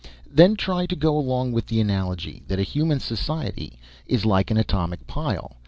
Then try to go along with the analogy that a human society is like an atomic pile.